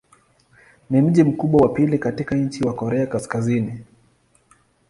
Ni mji mkubwa wa pili katika nchi wa Korea Kaskazini.